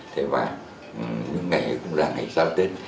thế và những ngày cũng là ngày sao tết